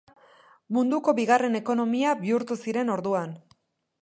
Munduko bigarren ekonomia bihurtu ziren orduan.